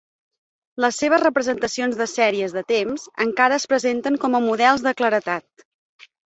Les seves representacions de sèries de temps encara es presenten com a models de claredat.